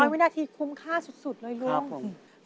๑๐๐วินาทีคุ้มค่าสุดเลยลุงครับผม